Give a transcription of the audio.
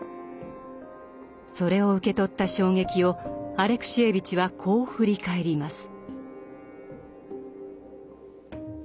それを受け取った衝撃をアレクシエーヴィチはこう振り返ります。